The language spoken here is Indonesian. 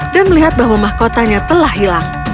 dan melihat bahwa mahkotanya telah hilang